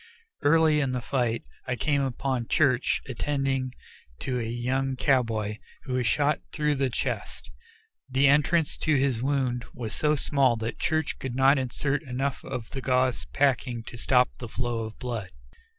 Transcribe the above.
Early in the fight I came upon Church attending to a young cowboy, who was shot through the chest. The entrance to his wound was so small that Church could not insert enough of the gauze packing to stop the flow of blood.